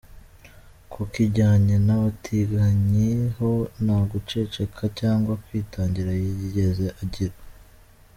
Ku kijyanye n’abatinganyi ho nta guceceka cyangwa kwitangira yigeze agira.